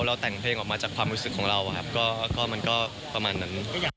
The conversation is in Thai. เราแต่งเพลงออกมาจากความรู้สึกของเราครับก็มันก็ประมาณนั้น